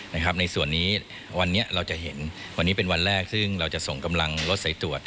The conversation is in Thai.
ในส่วนนี้วันนี้เราจะเห็นวันนี้เป็นวันแรกซึ่งเราจะส่งกำลังรถสายตรวจ